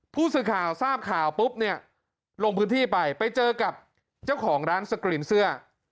ผู้สื่อข่าวทราบข่าวปุ๊บเนี่ยลงพื้นที่ไปไปเจอกับเจ้าของร้านสกรีนเสื้อ